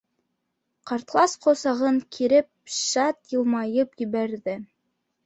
— Ҡартлас ҡосағын киреп шат йылмайып ебәрҙе.